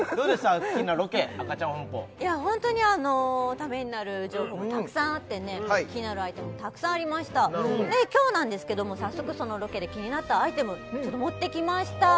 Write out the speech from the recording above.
アッキーナロケアカチャンホンポホントにあのためになる情報がたくさんあってね気になるアイテムもたくさんありました今日なんですけども早速そのロケで気になったアイテムちょっと持ってきました